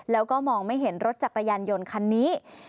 แล้วก็มองไม่เห็นรถจักรยานยนต์คันนี้